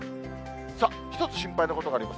さあ、１つ心配なことがあります。